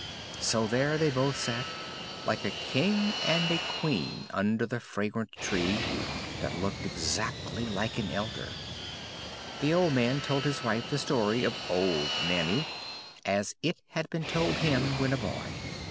So there they both sat, like a king and a queen, under the fragrant tree, that looked exactly like an elder: the old man told his wife the story of "Old Nanny," as it had been told him when a boy.